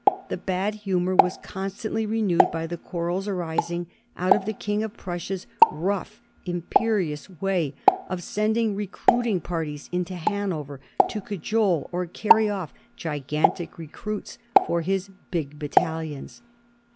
The bad humor was constantly renewed by the quarrels aris ing out of the King of Prussia's rough, imperious way of sending recruiting parties into Hanover to cajole or carry off gigantic recruits for his big battalions.